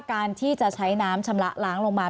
การที่จะใช้น้ำชำระล้างลงมา